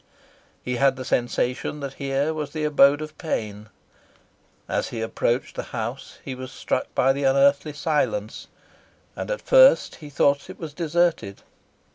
He had the sensation that here was the abode of pain. As he approached the house he was struck by the unearthly silence, and at first he thought it was deserted.